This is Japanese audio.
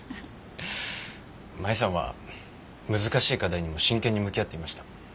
舞さんは難しい課題にも真剣に向き合っていました。